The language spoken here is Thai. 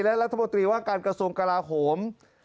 และรัฐมนตรีว่าการกระทรวงกลาโหม